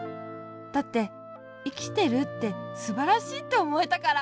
だっていきてるってすばらしいっておもえたから。